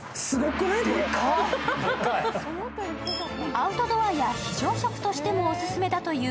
アウトドアや非常食としてもオススメだという